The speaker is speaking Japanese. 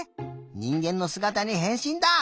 にんげんのすがたにへんしんだ！